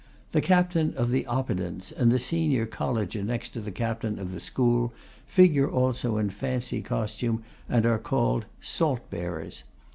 The Captain of the Oppidans and the senior Colleger next to the Captain of the school, figure also in fancy costume, and are called 'Saltbearers.